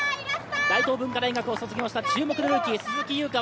大東文化大学を卒業した注目のルーキー・鈴木優花。